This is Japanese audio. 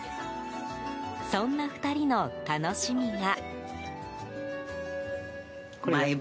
そんな２人の楽しみが。